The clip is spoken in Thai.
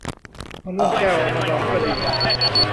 มะม่วงแก้ว เอามาดองก็ดี